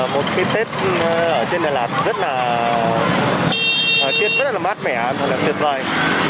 một cái tết ở trên đà lạt rất là mát mẻ rất là tuyệt vời